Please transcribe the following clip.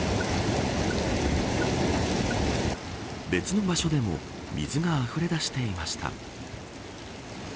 別の場所でも水があふれ出していました。